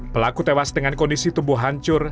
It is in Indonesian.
pelaku tewas dengan kondisi tubuh hancur